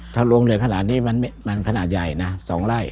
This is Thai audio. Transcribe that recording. ถ้าลงเหลือขนาดนี้มันขนาดใหญ่นะ๒ไร่